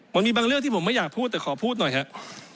มันมีบางเรื่องที่ผมไม่อยากพูดแต่ขอพูดหน่อยครับ